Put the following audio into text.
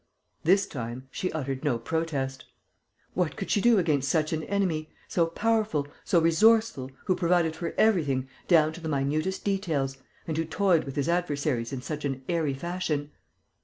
This time, she uttered no protest. What could she do against such an enemy, so powerful, so resourceful, who provided for everything, down to the minutest details, and who toyed with his adversaries in such an airy fashion?